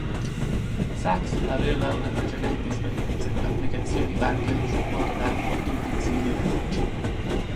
Sachs aveva una precedente esperienza con applicazioni Wankel su moto d'acqua e utensili elettrici.